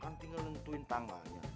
kan tinggal nentuin tangganya